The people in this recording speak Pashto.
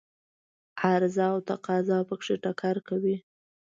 عرضه او تقاضا په کې ټکر کوي.